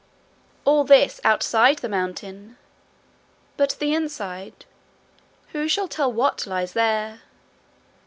All this outside the mountain! But the inside, who shall tell what lies there?